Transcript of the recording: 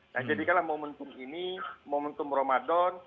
nah jadikanlah momentum ini momentum ramadan